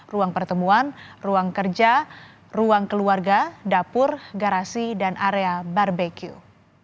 ruang pertemuan ruang kerja ruang keluarga dapur garasi dan area barbeq